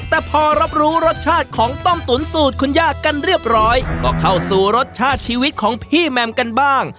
แต่พอรับรู้รสชาติของต้มตุ๋นสูตรคุณย่ากันเรียบร้อยก็เข้าสู่รสชาติชีวิตของพี่แมมกันบ้าง